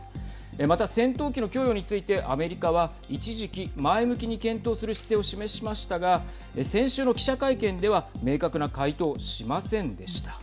また、戦闘機の供与についてアメリカは一時期、前向きに検討する姿勢を示しましたが先週の記者会見では明確な回答しませんでした。